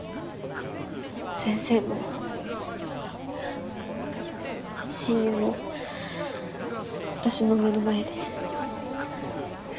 先生も親友も私の目の前で。